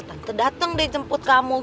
tante dateng deh jemput kamu